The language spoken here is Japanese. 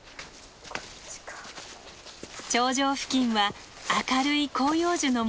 頂上付近は明るい広葉樹の森。